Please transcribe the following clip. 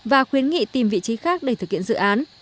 và khuyến nghị tìm vị trí khác để thực hiện dự án